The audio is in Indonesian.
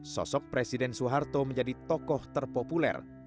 sosok presiden soeharto menjadi tokoh terpopuler